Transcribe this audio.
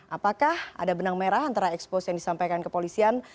apakah ada benang merah antara ekspos yang disampaikan kepolisian